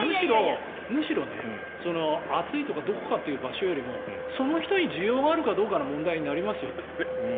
むしろ、暑いとかどこかという場所よりもその人に需要があるかどうかという話になりますよね。